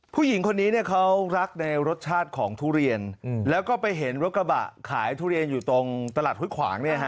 ผู้หญิงคนนี้เนี่ยเขารักในรสชาติของทุเรียนแล้วก็ไปเห็นรถกระบะขายทุเรียนอยู่ตรงตลาดห้วยขวางเนี่ยฮะ